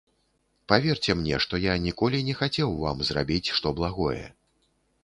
Паверце мне, што я ніколі не хацеў вам зрабіць што благое.